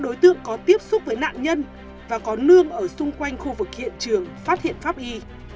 đối tượng có tiếp xúc với nạn nhân và có nương ở xung quanh khu vực hiện trường phát hiện pháp y